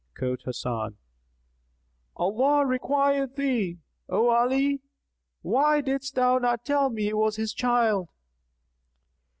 Quoth Hasan, "Allah requite thee, O Ali! Why didst thou not tell me it was his child?"